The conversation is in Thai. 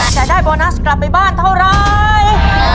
จะได้โบนัสกลับไปบ้านเท่าไร